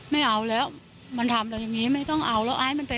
ไปเอาแล้วมันทำหน่อยยังไงไม่ต้องเอาแล้วให้มันไป